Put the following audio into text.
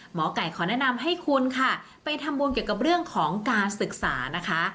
หมอไก่ขอแนะนำให้คุณค่ะไปทำบุญเกี่ยวกับเรื่องของการศึกษานะคะ